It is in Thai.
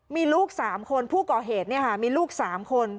มีลูกสามคนผู้ก่อเหตุเนี่ยค่ะมีลูกสามคน